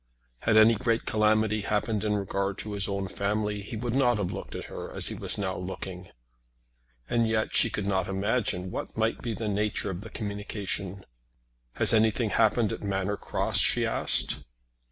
Had any great calamity happened in regard to his own family he would not have looked at her as he was now looking. And yet she could not imagine what might be the nature of the communication. "Has anything happened at Manor Cross?" she asked.